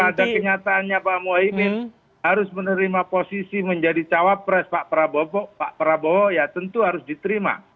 pada kenyataannya pak muwaimin harus menerima posisi menjadi cawap pres pak prabowo ya tentu harus diterima